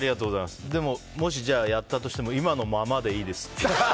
でも、もしやったとしても今のままでいいです。